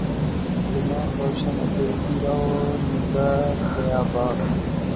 دماغ روشن و دل تیرہ و نگہ بیباک